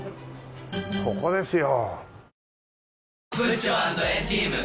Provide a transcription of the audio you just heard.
ここですよ。